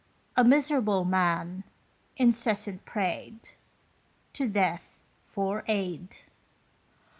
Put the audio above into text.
A Miserable Man incessant prayed To Death for aid.